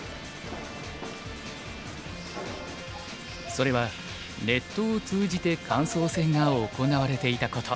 それはネットを通じて感想戦が行われていたこと。